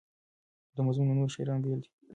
د ده مضمون له نورو شاعرانو بېل دی.